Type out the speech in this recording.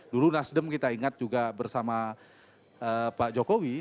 dulu nasdem kita ingat juga bersama pak jokowi